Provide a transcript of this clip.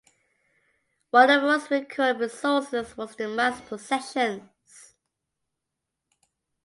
One of the most recurrent resources was the mass processions.